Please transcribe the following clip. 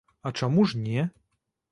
А чаму ж не?